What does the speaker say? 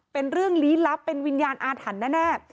เป็นเรื่องลี้ลับเป็นวิญญาณอาถรรพ์แน่